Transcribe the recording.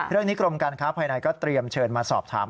กรมการค้าภายในก็เตรียมเชิญมาสอบถาม